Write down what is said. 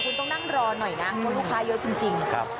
คุณต้องนั่งรอหน่อยนะเพราะลูกค้าเยอะจริง